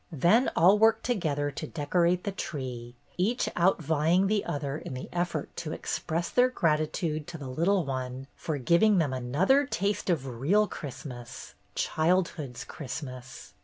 Then all worked together to decorate the tree, each outvying the other in the effort to express their gratitude to the little one for giving them another taste of real Christmas, childhood's Christmas.